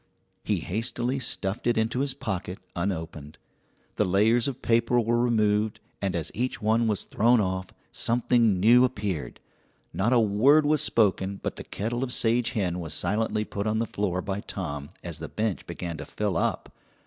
He hastily stuffed it into his pocket unopened. The layers of paper were removed, and as each one was thrown off, something new appeared. Not a word was spoken, but the kettle of sage hen was silently put on the floor by Tom as the bench began to fill up.